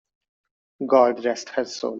God rest her soul!